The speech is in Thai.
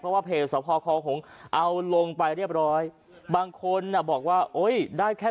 เพราะว่าเพจสภคอหงเอาลงไปเรียบร้อยบางคนบอกว่าโอ้ยได้แค่